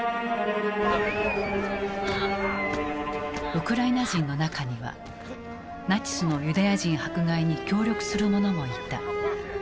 ウクライナ人の中にはナチスのユダヤ人迫害に協力するものもいた。